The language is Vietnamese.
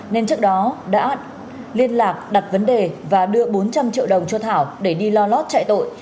nên trước đó đã liên lạc đặt vấn đề và đưa bốn trăm linh triệu đồng cho thảo để đi lo lót chạy tội